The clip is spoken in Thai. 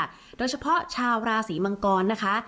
โดยเฉพาะชาวราศีมังกรนะคะ